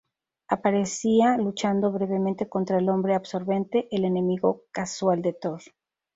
Aparecería luchando brevemente contra el Hombre Absorbente, el enemigo casual de Thor.